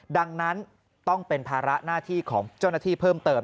ดังนั้นต้องเป็นภาระหน้าที่ของเจ้าหน้าที่เพิ่มเติม